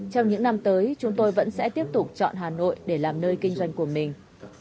trong những năm tới chúng tôi vẫn sẽ tiếp tục chọn hà nội để làm nơi kinh doanh của mình